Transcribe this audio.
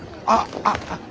あっあっ